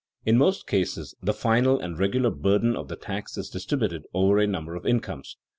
In most cases the final and regular burden of the tax is distributed over a number of incomes.